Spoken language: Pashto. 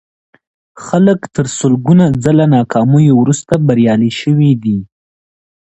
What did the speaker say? خلک تر سلګونه ځله ناکاميو وروسته بريالي شوي دي.